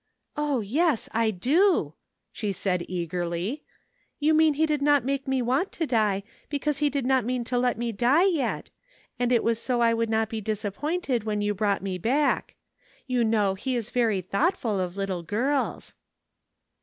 " O, yes ! I do," she said eagerly ;" you mean He did not make me want to die, because He did not mean to let me die yet, and it was so I would not be disappointed when you brought me back. You know He is very thoughtful of little girls."